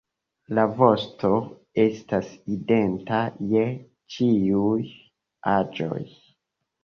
La vosto estas identa je ĉiuj aĝoj.